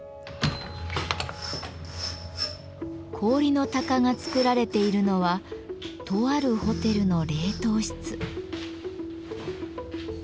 氷の鷹が作られているのはとあるホテルの冷凍室。